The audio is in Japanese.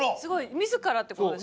自らってことですか？